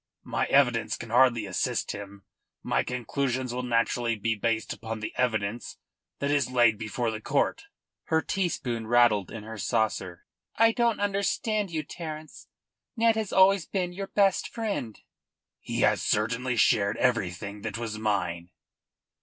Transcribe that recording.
My evidence can hardly assist him. My conclusions will naturally be based upon the evidence that is laid before the court." Her teaspoon rattled in her saucer. "I don't understand you, Terence. Ned has always been your best friend." "He has certainly shared everything that was mine."